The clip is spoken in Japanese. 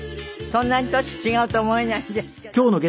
そんなに年違うと思えないんですけど。